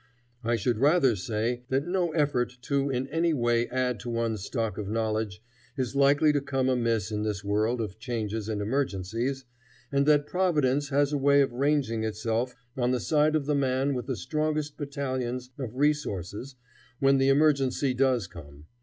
I should rather say that no effort to in any way add to one's stock of knowledge is likely to come amiss in this world of changes and emergencies, and that Providence has a way of ranging itself on the side of the man with the strongest battalions of resources when the emergency does come.